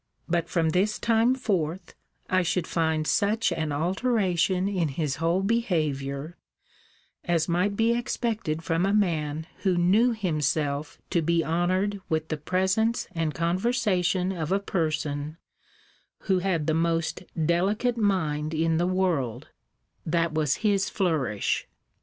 But from this time forth, I should find such an alteration in his whole behaviour, as might be expected from a man who knew himself to be honoured with the presence and conversation of a person, who had the most delicate mind in the world that was his flourish.